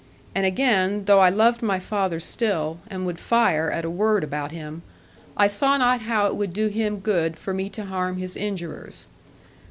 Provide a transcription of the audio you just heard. And again, though I loved my father still, and would fire at a word about him, I saw not how it would do him good for me to harm his injurers.